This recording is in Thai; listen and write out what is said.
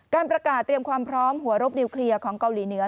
การประกาศเตรียมความพร้อมหัวรบนิวเคลียร์ของเกาหลีเหนือ